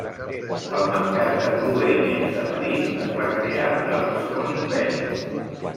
El mercat de proveïments de París es va crear durant el Segon Imperi.